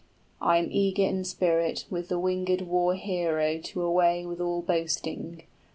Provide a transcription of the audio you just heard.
I am eager in spirit, With the wingèd war hero to away with all boasting.